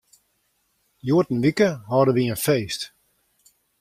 Hjoed in wike hâlde wy in feest.